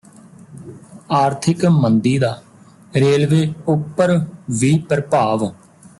ਆਰਥਿਕ ਮੰਦੀ ਦਾ ਰੇਲਵੇ ਉੱਪਰ ਵੀ ਪ੍ਰਭਾਵ